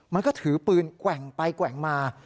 มันก็ถือปืนแกว่งไปแกว่งมา